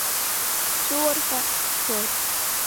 Сҵәыуар ҳәа сшәоит.